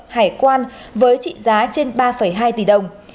hải quan với trị giá trên ba hai tỷ đồng